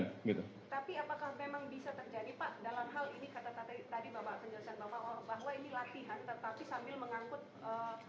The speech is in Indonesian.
tapi apakah memang bisa terjadi pak dalam hal ini kata kata tadi bapak penjelasan bapak bahwa ini latihan tetapi sambil mengangkut penumpang